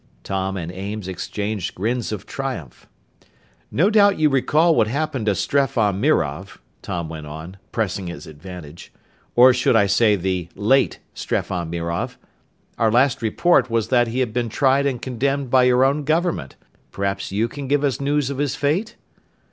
Tom and Ames exchanged grins of triumph. "No doubt you recall what happened to Streffan Mirov," Tom went on, pressing his advantage. "Or should I say the late Streffan Mirov? Our last report was that he had been tried and condemned by your own government. Perhaps you can give us news of his fate?"